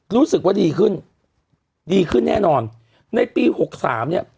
รู้สึกว่าดีขึ้นดีขึ้นแน่นอนในปีหกสามเนี้ย